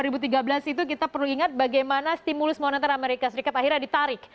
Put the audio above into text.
ini adalah tahun yang menyebabkan ekonomi amerika serikat akhirnya ditarik